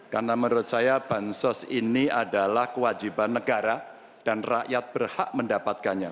karena menurut saya bansos ini adalah kewajiban negara dan rakyat berhak mendapatkannya